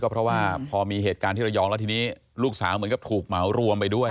เพราะว่าพอมีเหตุการณ์ที่ระยองแล้วทีนี้ลูกสาวเหมือนกับถูกเหมารวมไปด้วย